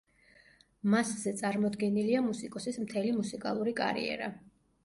მასზე წარმოდგენილია მუსიკოსის მთელი მუსიკალური კარიერა.